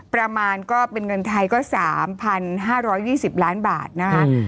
ประมาณก็เป็นเงินไทยก็๓๕๒๐ล้านบาทนะคะ